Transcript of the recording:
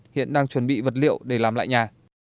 hiện đang chuẩn bị vật liệu để làm lại nhà